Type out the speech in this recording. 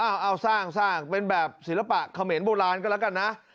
อ้าวอ้าวสร้างสร้างเป็นแบบศิลปะเขาเหม็นโบราณก็แล้วกันนะ